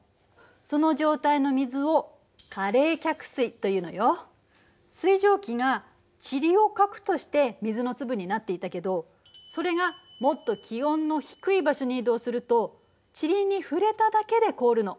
その状態の水を水蒸気がチリを核として水の粒になっていたけどそれがもっと気温の低い場所に移動するとチリに触れただけで凍るの。